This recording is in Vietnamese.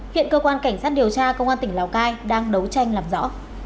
hiện cơ quan cảnh sát điều tra công an tỉnh lào cai đang đấu tranh làm rõ